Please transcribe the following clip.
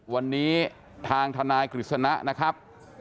วันนี้ทางทนายกฤษณะนะครับ